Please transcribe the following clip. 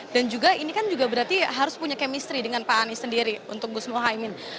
dan juga ini kan juga berarti harus punya chemistry dengan pak anies sendiri untuk gus mohaimin